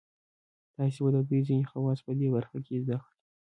تاسې به د دوی ځینې خواص په دې برخه کې زده کړئ.